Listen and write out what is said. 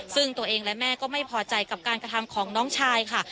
ซึ่งตัวเองและแม่ก็ไม่พอใจกับการกระทำของน้องชายค่ะ